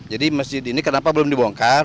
masjid ini kenapa belum dibongkar